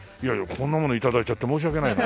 こんなもの頂いちゃって申し訳ないな。